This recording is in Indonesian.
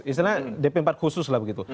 istilah dp empat khusus lah begitu